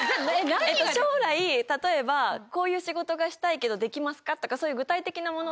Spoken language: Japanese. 将来例えばこういう仕事がしたいけどできますか？とかそういう。